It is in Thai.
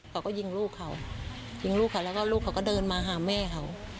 เขาก็ยิงลูกเขายิงลูกเขาแล้วก็ลูกเขาก็เดินมาหาแม่เขา